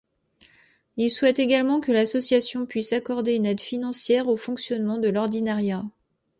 Il souhaite également que l'association puisse accorder une aide financière au fonctionnement de l'ordinariat.